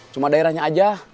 cuma daerahnya aja